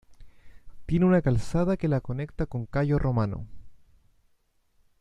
Tiene una calzada que la conecta con Cayo Romano.